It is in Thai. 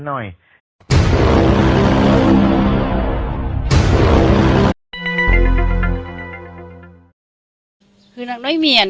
ขอบคุณทุกคน